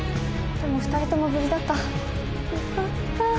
でも２人とも無事だったよかった。